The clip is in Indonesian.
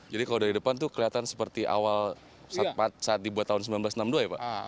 jadi kalau dari depan itu kelihatan seperti awal saat dibuat tahun seribu sembilan ratus enam puluh dua ya pak